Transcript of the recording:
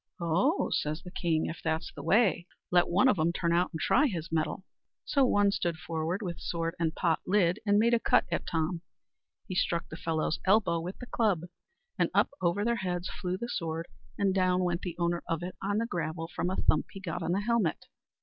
"Oh!" says the king, "if that's the way, let one of 'em turn out and try his mettle." So one stood forward, with sword and pot lid, and made a cut at Tom. He struck the fellow's elbow with the club, and up over their heads flew the sword, and down went the owner of it on the gravel from a thump he got on the helmet.